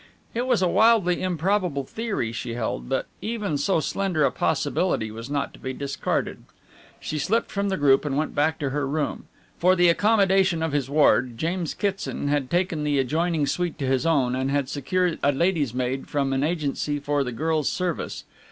It was a wildly improbable theory she held, but even so slender a possibility was not to be discarded. She slipped from the group and went back to her room. For the accommodation of his ward, James Kitson had taken the adjoining suite to his own and had secured a lady's maid from an agency for the girl's service.